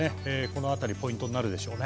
この辺りポイントになるでしょう。